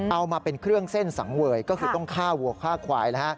เอามาเป็นเครื่องเส้นสังเวยก็คือต้องฆ่าวัวฆ่าควาย